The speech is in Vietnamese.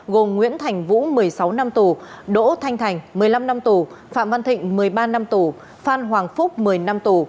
vũ một mươi sáu năm tù đỗ thanh thành một mươi năm năm tù phạm văn thịnh một mươi ba năm tù phan hoàng phúc một mươi năm năm tù